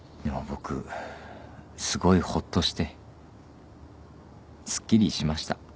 でも僕すごいほっとしてすっきりしました。